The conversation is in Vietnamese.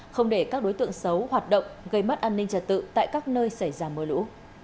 không để các đối tượng xấu hoạt động gây mất an ninh trật tự tại các nơi xảy ra mưa lũ